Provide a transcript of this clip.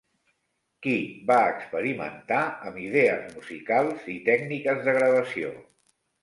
Qui va experimentar amb idees musicals i tècniques de gravació?